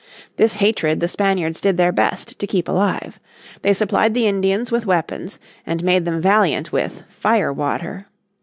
This hatred the Spaniards did their best to keep alive. They supplied the Indians with weapons, and made them valiant with "fire water."